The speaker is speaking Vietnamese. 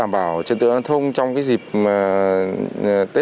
nếu chúng tôi không chọc ảnh nhé